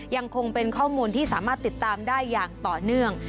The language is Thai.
ยังคงเป็นข้อมูลที่สามารถติดตามได้อย่างต่อเนื่อง